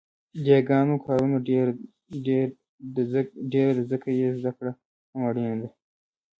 د یاګانو کارونه ډېره ده ځکه يې زده کړه هم اړینه ده